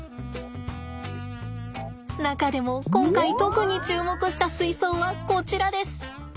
中でも今回特に注目した水槽はこちらです。